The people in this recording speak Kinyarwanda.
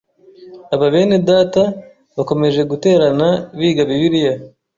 Aba bene data bakomeje guterana biga Bibiliya